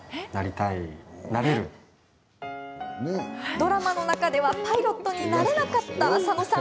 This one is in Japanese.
ドラマの中ではパイロットになれなかった佐野さん。